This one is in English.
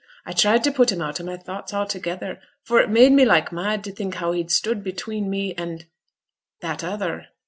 I tried to put him out o' my thoughts a'together, for it made me like mad to think how he'd stood between me and that other.